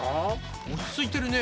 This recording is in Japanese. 落ち着いてるね。